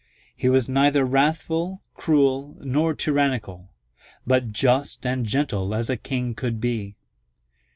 He was neither wrathful, cruel, nor tyrannical, but just and gentle as a king could be.